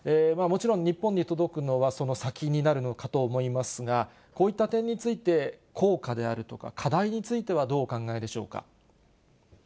もちろん、日本に届くのはその先になるのかと思いますが、こういった点について、効果であるとか、課題についてはどうお考えでしょうか。